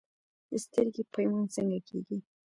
د سترګې پیوند څنګه کیږي؟